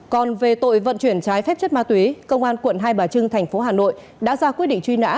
còn về tội vận chuyển trái phép chất ma túy công an tp hà nội đã ra quyết định truy nã